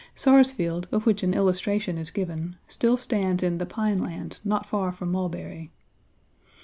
Sarsfield, of which an illustration is given, still stands in the pine lands not far from Mulberry.